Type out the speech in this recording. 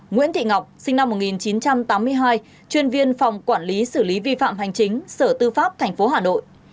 nguyễn thị ngọc sinh năm một nghìn chín trăm tám mươi hai chuyên viên phòng quản lý xử lý vi phạm hành chính sở tư pháp tp hà nội